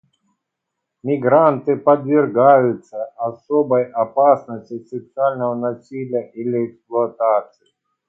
В некоторых случаях мигранты подвергаются особой опасности сексуального насилия или эксплуатации.